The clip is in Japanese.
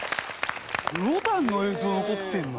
ロダンの映像残ってるの？